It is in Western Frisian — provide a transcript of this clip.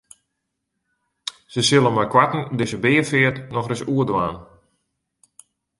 Sy sille meikoarten dizze beafeart nochris oerdwaan.